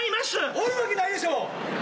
おるわけないでしょ！